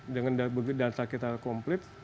dengan data kita komplit